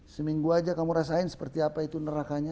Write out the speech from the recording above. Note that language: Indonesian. seminggu aja kamu rasain seperti apa itu nerakanya